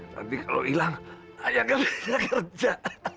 nanti kalau hilang ayah kerja kerja